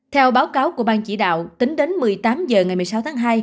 theo báo cáo của ban chỉ đạo tính đến một mươi tám h ngày một mươi sáu tháng hai